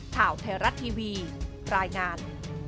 ข่าวไทยรัฐทีวีรายงาน